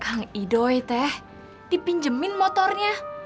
kang idoi teh dipinjemin motornya